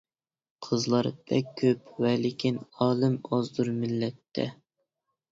قىزلار بەك كۆپ ۋەلىكىن ئالىم ئازدۇر مىللەتتە.